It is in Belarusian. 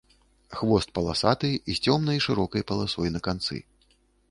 Хвост паласаты з цёмнай шырокай паласой на канцы.